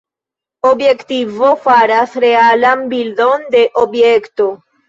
Objektivo faras realan bildon de objekto.